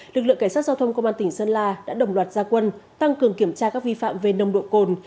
lực lượng cảnh sát giao thông công an tỉnh sơn la đã đồng loạt gia quân tăng cường kiểm tra các vi phạm về nồng độ cồn